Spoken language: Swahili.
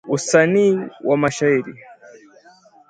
usanii wa mashairi